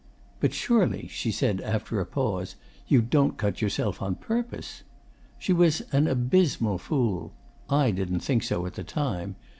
"But surely," she said after a pause, "you don't cut yourself on purpose?" She was an abysmal fool. I didn't think so at the time.